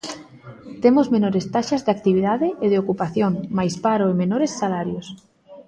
Temos menores taxas de actividade e de ocupación, máis paro e menores salarios.